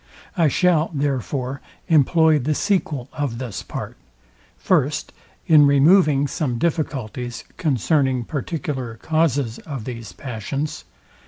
I shall, therefore, employ the sequel of this part, First, In removing some difficulties, concerning particular causes of these passions.